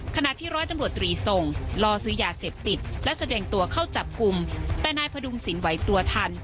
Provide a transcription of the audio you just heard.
ขณะที่ร้อยตำรวจตรีทรงล่อซื้อยาเสพติดและแสดงตัวเข้าจับกลุ่มแต่นายพดุงศิลปไหวตัวทัน